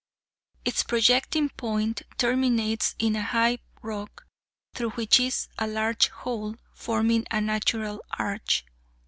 Its projecting point terminates in a high rock, through which is a large hole, forming a natural arch.